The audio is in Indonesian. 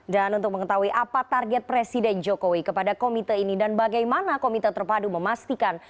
dan untuk mengetahui apa target presiden jokowi kepada komite ini dan bagaimana komite terpadu memastikan